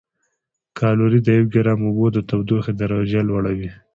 کالوري د یو ګرام اوبو د تودوخې درجه لوړوي.